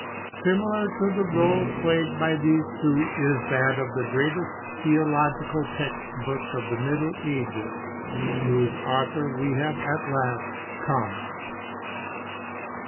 Similar to the role played by these two is that of the greatest theological text book of the Middle Ages, to whose author we have at last come.